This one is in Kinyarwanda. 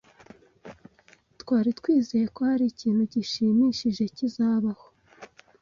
Twari twizeye ko hari ikintu gishimishije kizabaho.